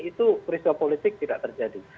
itu peristiwa politik tidak terjadi